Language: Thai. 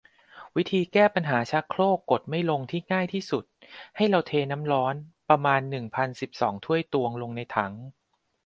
วิธีแก้ปัญหาชักโครกกดไม่ลงที่ง่ายที่สุด ให้เราเทน้ำร้อนประมาณ หนึ่งพันสิบสอง ถ้วยตวง ลงในถัง